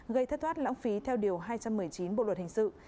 gây thất thoát lãng phí theo điều hai trăm một mươi chín bộ luật hình sự